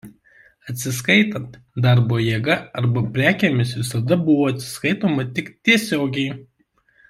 Atsiskaitant darbo jėga arba prekėmis visada buvo atsiskaitoma tik tiesiogiai.